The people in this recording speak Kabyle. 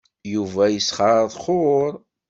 Yuba yesxeṛxuṛ.